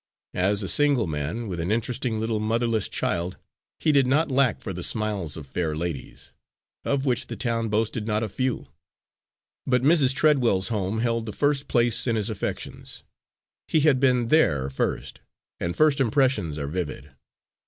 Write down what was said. As a single man, with an interesting little motherless child, he did not lack for the smiles of fair ladies, of which the town boasted not a few. But Mrs. Treadwell's home held the first place in his affections. He had been there first, and first impressions are vivid.